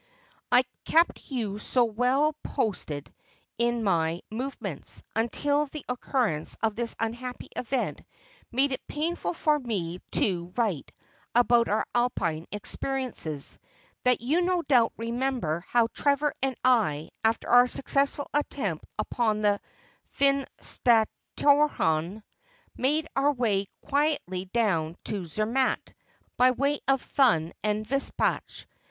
' I kept you so well posted in my movements, until the occurrence of this unhappy event made it painful to me to write about our Alpine experiences, that you no doubt remem ber how Trevor and I, after our successful attempt upon the ¥insteraarhorn, made our way quietly down to Zermatt, by way of Thun and Vispach.